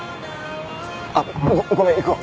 あっもうごめん行くわ。